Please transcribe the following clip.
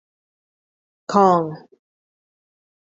Kong.